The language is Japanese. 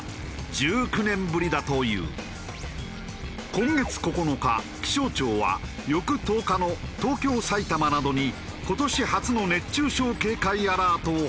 今月９日気象庁は翌１０日の東京埼玉などに今年初の熱中症警戒アラートを発表。